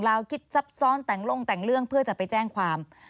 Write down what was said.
คิดซับซ้อนแต่งลงแต่งเรื่องเพื่อจะไปแจ้งความ